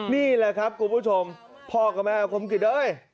นี่แหละครับผู้ชมพ่อกับแม่คมกิต